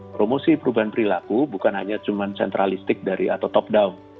promosi perubahan perilaku bukan hanya cuma sentralistik dari atau top down